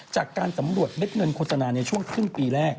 จากการสำรวจเม็ดเงินโฆษณาในช่วงครึ่งปีแรก